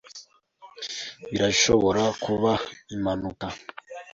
Birashobora kuba impanuka.